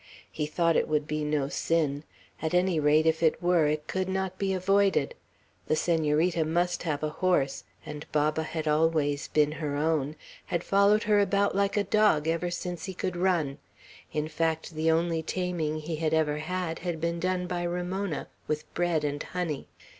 He thought it would be no sin. At any rate, if it were, it could not be avoided. The Senorita must have a horse, and Baba had always been her own; had followed her about like a dog ever since he could run; in fact, the only taming he had ever had, had been done by Ramona, with bread and honey.